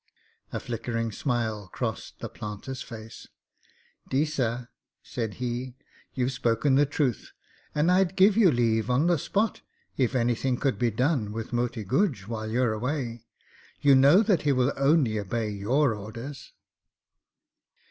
A flickering smile crossed the planter's face. 'Deesa,' said he, 'you've spoken the truth, and I'd give you leave on the spot if anything could be done with Moti Guj while you're away. You know that he will only obey your orders.'